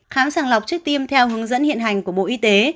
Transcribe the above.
khám sàng lọc trước tiêm theo hướng dẫn hiện hành của bộ y tế